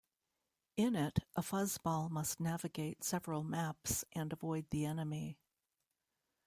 In it, a fuzzball must navigate several maps and avoid the enemy.